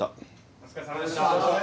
お疲れさまです。